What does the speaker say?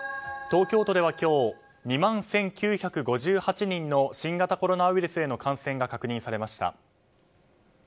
東京都では今日２万１９５８人の新型コロナウイルスへの感染が確認されました。